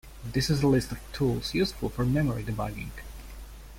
This is a list of tools useful for memory debugging.